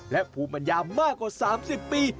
และภูมิมากกว่า๓๐ปี